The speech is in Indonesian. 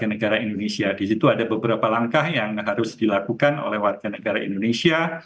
negara indonesia disitu ada beberapa langkah yang harus dilakukan oleh warga negara indonesia